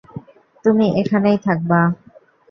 তুমি এখানেই থাকবা।